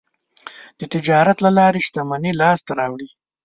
د تجارت له لارې شتمني لاسته راوړي.